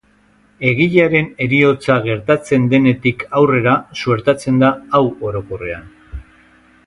Egilearen heriotza gertatzen denetik aurrera suertatzen da hau orokorrean.